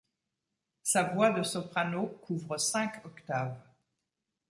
Sa voix de soprano couvre cinq octaves.